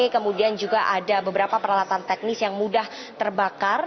kemudian juga ada beberapa peralatan teknis yang mudah terbakar